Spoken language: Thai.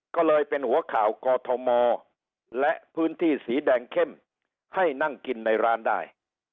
ก็เลยเป็นหัวข่าวกอทมและพื้นที่สีแดงเข้มให้นั่งกินในร้านได้